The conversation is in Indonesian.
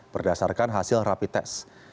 berdasarkan hasil rapi tes